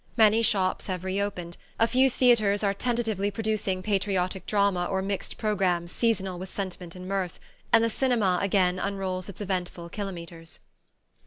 Many shops have reopened, a few theatres are tentatively producing patriotic drama or mixed programmes seasonal with sentiment and mirth, and the cinema again unrolls its eventful kilometres.